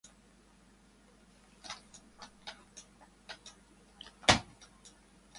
La puerta está abrumada con cerraduras que mantienen la esperanza de un amor duradero.